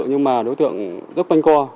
nhưng mà đối tượng rất quanh co